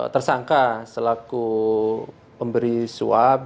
tersangka selaku pemberi swab